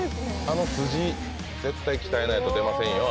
あの筋絶対鍛えないと出ませんよ